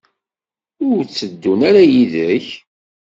Ur tteddun ara yid-k?